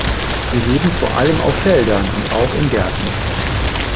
Sie leben vor allem auf Feldern und auch in Gärten.